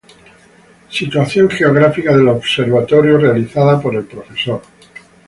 Situación geográfica del Observatorio, realizada por el Prof.